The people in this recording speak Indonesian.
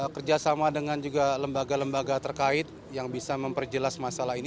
kerjasama dengan juga lembaga lembaga terkait yang bisa memperjelas masalah ini